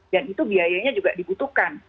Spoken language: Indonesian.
dan itu biayanya juga dibutuhkan